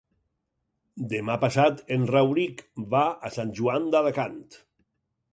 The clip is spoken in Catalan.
Demà passat en Rauric va a Sant Joan d'Alacant.